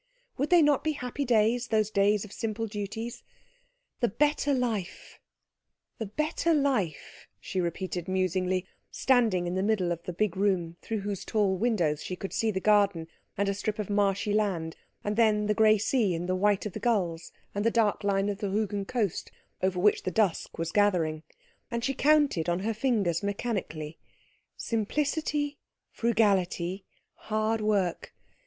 Would they not be happy days, those days of simple duties? "The better life the better life," she repeated musingly, standing in the middle of the big room through whose tall windows she could see the garden, and a strip of marshy land, and then the grey sea and the white of the gulls and the dark line of the Rügen coast over which the dusk was gathering; and she counted on her fingers mechanically, "Simplicity, frugality, hard work.